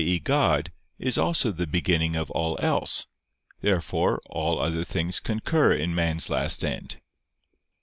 e. God is also the beginning of all else. Therefore all other things concur in man's last end.